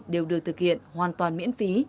đều được thực hiện hoàn toàn miễn phí